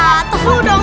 pakai pelanggaran ya